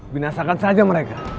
binasakan saja mereka